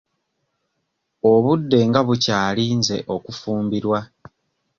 Obudde nga bukyali nze okufumbirwa.